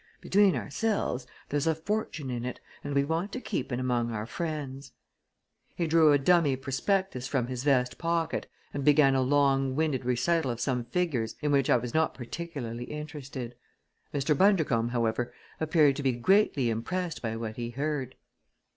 Between ourselves, there's a fortune in it, and we want to keep it among our friends." He drew a dummy prospectus from his vest pocket and began a long winded recital of some figures in which I was not particularly interested. Mr. Bundercombe, however, appeared to be greatly impressed by what he heard.